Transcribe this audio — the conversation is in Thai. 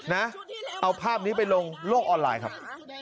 นะเอาภาพนี้ไปลงโลกออนไลน์ครับ